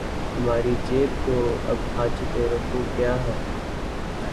ہمارے جیب کو اب حاجت رفو کیا ہے